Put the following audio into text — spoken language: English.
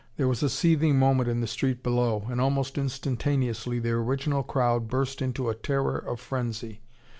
There was a seething moment in the street below. And almost instantaneously the original crowd burst into a terror of frenzy.